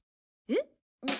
えっ？